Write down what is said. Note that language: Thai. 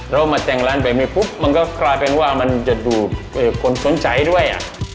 เรามาแต่งร้านแบบนี้ปุ๊บมันก็กลายเป็นว่ามันจะดูดคนสนใจด้วย